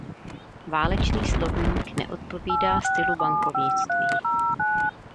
Válečný slovník neodpovídá stylu bankovnictví.